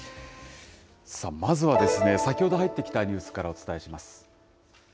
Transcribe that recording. さあ、まずは先ほど入ってきたニュースからお伝えします。